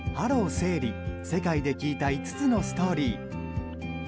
生理世界で聞いた５つのストーリー」。